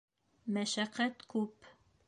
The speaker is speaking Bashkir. Мәшәҡәт күп.